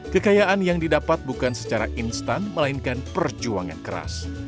kekayaan yang didapat bukan secara instan melainkan perjuangan keras